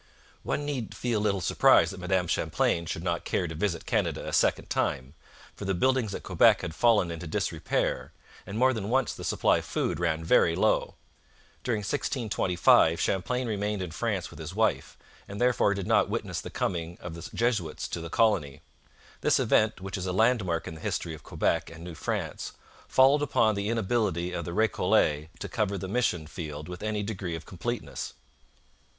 One need feel little surprise that Madame Champlain should not care to visit Canada a second time, for the buildings at Quebec had fallen into disrepair, and more than once the supply of food ran very low. During 1625 Champlain remained in France with his wife, and therefore did not witness the coming o the Jesuits to the colony. This event, which is a landmark in the history of Quebec and New France, followed upon the inability of the Recollets to cover the mission field with any degree of completeness.